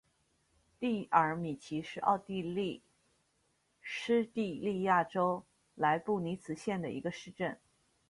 蒂尔米奇是奥地利施蒂利亚州莱布尼茨县的一个市镇。